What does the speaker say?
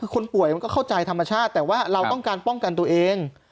คนป่วยมันก็เข้าใจธรรมชาติแต่ว่าเราต้องการป้องกันตัวเอง